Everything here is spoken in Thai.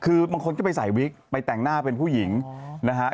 คือบางคนก็ไปใส่วิกไปแต่งหน้าเป็นผู้หญิงนะฮะ